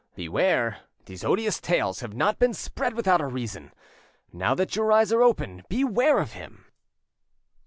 Beware, these odious tales have not been spread without a reason. Now that your eyes are open, beware of him."